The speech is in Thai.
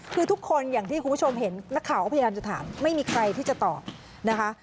คือทุกคนอย่างที่คุณผู้ชมเห็นนักข่าวก็พยายามจะถามไม่มีใครที่จะตอบนะคะ